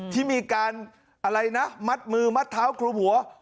ที่มีการมัดมือมัดเท้ากลอบหัว